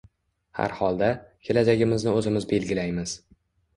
Har holda, kelajagimizni o‘zimiz belgilaymiz